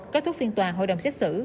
kết thúc phiên tòa hội đồng xét xử